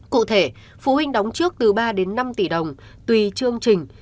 cụ thể phụ huynh đóng trước từ ba đến năm tỷ đồng tùy chương trình